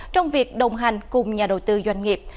trong việc đồng hành cùng nhà đầu tư doanh nghiệp